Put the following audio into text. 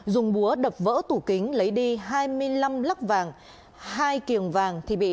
dùng búa đập vỡ tủ kính lấy đi hai mươi năm lắc vàng hai kiềng vàng thì bị